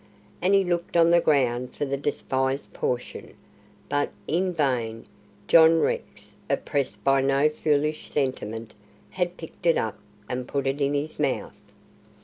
And he looked on the ground for the despised portion. But in vain. John Rex, oppressed by no foolish sentiment, had picked it up and put it in his mouth.